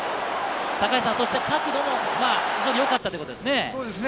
角度も非常によかったということですね。